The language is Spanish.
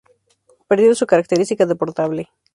Perdiendo su característica de "portable".